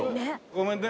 ごめんね。